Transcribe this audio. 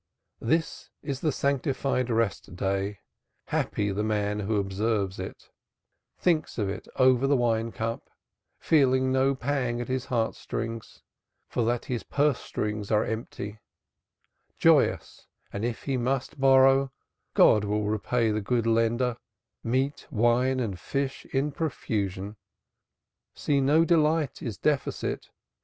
This is the sanctified rest day; Happy the man who observes it, Thinks of it over the wine cup, Feeling no pang at his heart strings For that his purse strings are empty, Joyous, and if he must borrow God will repay the good lender, Meat, wine and fish in profusion See no delight is deficient.